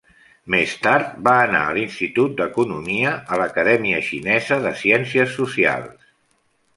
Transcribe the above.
Més tard va anar a l"Institut d"Economia a l"Acadèmia Xinesa de Ciències Socials.